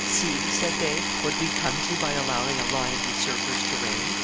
"See," said they, "what we come to by allowing a line of usurpers to reign.